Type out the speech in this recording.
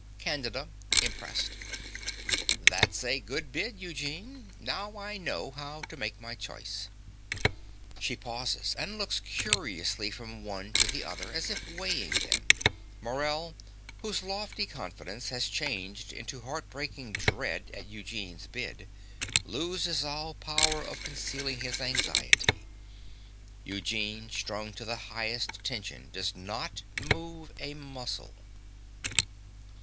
CANDIDA (impressed). That's a good bid, Eugene. Now I know how to make my choice. She pauses and looks curiously from one to the other, as if weighing them. Morell, whose lofty confidence has changed into heartbreaking dread at Eugene's bid, loses all power of concealing his anxiety. Eugene, strung to the highest tension, does not move a muscle.